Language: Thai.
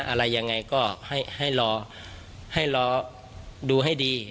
อะไรยังไงก็ให้ลอดูให้ดี